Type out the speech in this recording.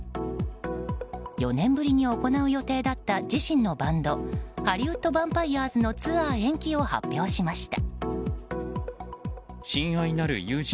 ４年ぶりに行う予定だった自身のバンドハリウッド・ヴァンパイアーズのツアー延期を発表しました。